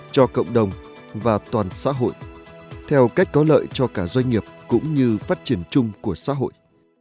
cho cộng đồng và toàn xã hội theo cách có lợi cho cả doanh nghiệp cũng như phát triển chung của xã hội